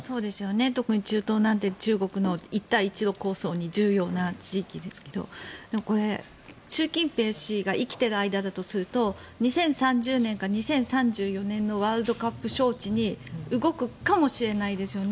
特に中東なんて中国の一帯一路構想に重要な地域ですけどでもこれ、習近平氏が生きている間だとすると２０３０年か２０３４年のワールドカップ招致に動くかもしれないですよね。